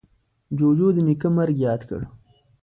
جوجو د نیکه مرگ ياد کړ.